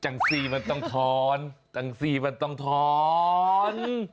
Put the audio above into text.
จังสิมันต้องถอนจังสิมันต้องถอน